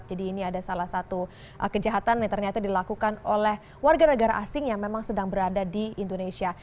jadi ini ada salah satu kejahatan yang ternyata dilakukan oleh warga negara asing yang memang sedang berada di indonesia